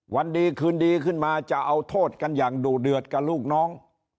วันดีคืนดีขึ้นมาจะเอาโทษกันอย่างดุเดือดกับลูกน้อง